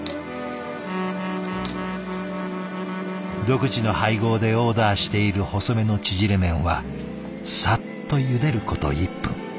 独自の配合でオーダーしている細めの縮れ麺はさっとゆでること１分。